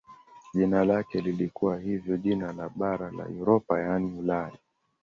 Jina lake lilikuwa hivyo jina la bara la Europa yaani Ulaya.